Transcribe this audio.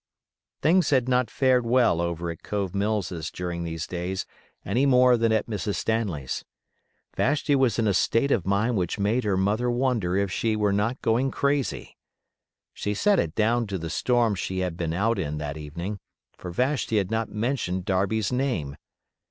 Things had not fared well over at Cove Mills's during these days any more than at Mrs. Stanley's. Vashti was in a state of mind which made her mother wonder if she were not going crazy. She set it down to the storm she had been out in that evening, for Vashti had not mentioned Darby's name.